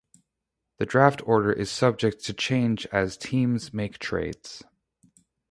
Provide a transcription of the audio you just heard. The Draft order is subject to change as teams make trades.